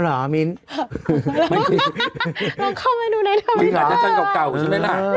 เราเข้ามาดูในทวีเตอร์